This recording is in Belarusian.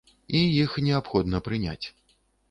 І іх неабходна прыняць.